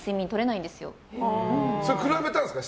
それ、比べたんですか？